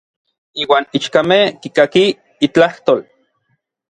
Iuan ichkamej kikakij n itlajtol.